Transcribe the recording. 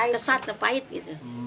kesat atau pahit gitu